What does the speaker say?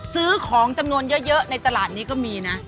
ซื้อของจำนวนเยอะในตลาดนี้ก็มีนะ